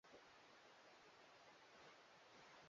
Ulemavu angaa mguu mmoja